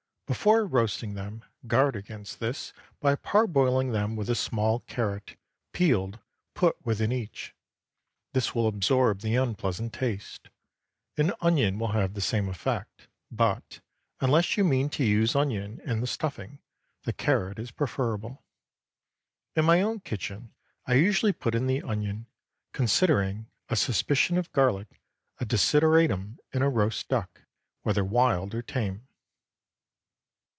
Before roasting them, guard against this by parboiling them with a small carrot, peeled, put within each. This will absorb the unpleasant taste. An onion will have the same effect; but, unless you mean to use onion in the stuffing, the carrot is preferable. In my own kitchen I usually put in the onion, considering a suspicion of garlic a desideratum in roast duck, whether wild or tame.